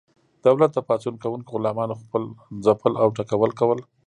دولت د پاڅون کوونکو غلامانو ځپل او ټکول کول.